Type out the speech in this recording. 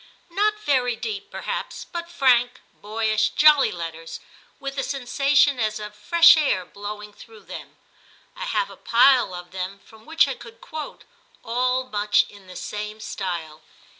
Not very deep perhaps, but frank, boyish, jolly letters, with a sensation as of fresh air blowing through them. I have a pile of them from which I could quote, all much in the same style.